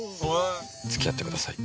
付き合ってください。